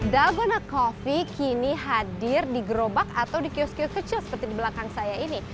dalgona coffee kini hadir di gerobak atau di kios kios kecil seperti di belakang saya ini